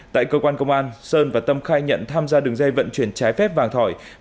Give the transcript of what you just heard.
tại cơ quan công an sơn và tâm khai nhận tham gia đường dây vận chuyển trái phép vàng thỏi